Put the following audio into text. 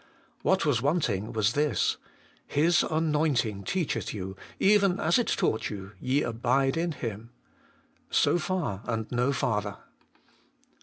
What was wanting was this: 'His anointing teacheth you ; even as it taught you, ye abide in him ;' so far, and no farther.